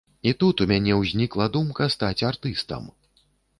І тут у мяне ўзнікла думка стаць артыстам.